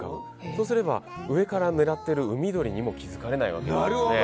そうすれば上から狙う海鳥にも気づかれないんです。